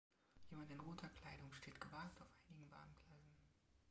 Jemand in roter Kleidung steht gewagt auf einigen Bahngleisen.